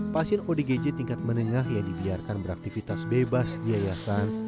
pasien odgj tingkat menengah yang dibiarkan beraktivitas bebas di yayasan